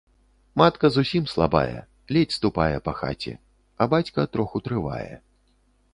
Матка зусім слабая, ледзь ступае па хаце, а бацька троху трывае.